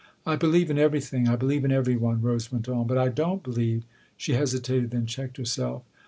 " I believe in everything I believe in every one," Rose went on. " But I don't believe " She hesitated, then checked herself.